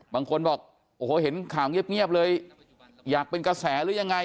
บางคนบอกโอ้โหเห็นข่าวเงียบเลยอยากเป็นกระแสหรือยังไง